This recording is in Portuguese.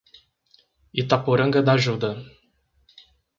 Itaporanga d'Ajuda